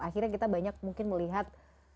akhirnya kita banyak mungkin melihat